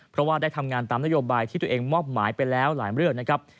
เพราะว่าได้ทำงานตามนโยบายที่ตัวเองมอบหมายไปแล้วหลายเรื่องนะครับ